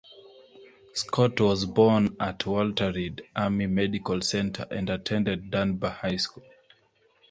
Scott was born at Walter Reed Army Medical Center and attended Dunbar High School.